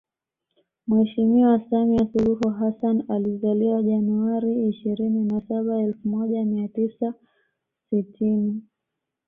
Mheshimiwa Samia Suluhu Hassan alizaliwa Januari ishirini na saba elfu moja mia tisa sitini